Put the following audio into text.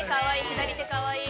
左手かわいい。